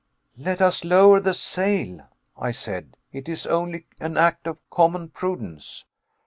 "Let us lower the sail," I said, "it is only an act of common prudence."